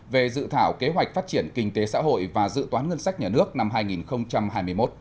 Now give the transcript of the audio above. về dự thảo kế hoạch phát triển kinh tế xã hội và dự toán ngân sách nhà nước năm hai nghìn hai mươi một